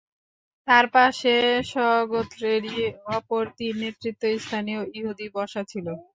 তার পাশে স্বগোত্রেরই অপর তিন নেতৃস্থানীয় ইহুদী বসা ছিল।